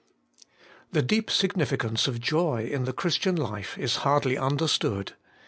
THE deep significance of joy in the Christian life is hardly understood.